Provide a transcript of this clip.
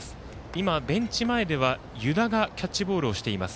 今、ベンチ前では湯田がキャッチボールをしています。